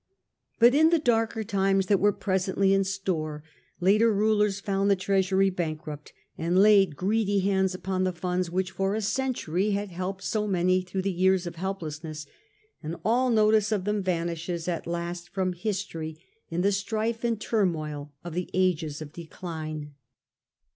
But in the darker times that were presently in store, later rulers found the treasury bankrupt, and laid greedy hands upon the funds which for a century had helped so many through the years of helplessness, and all notice of them vanishes at last from history in the strife and turmoil of the ages of decline.